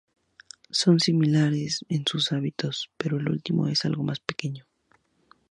Son similares en sus hábitos, pero el último es algo más pequeño.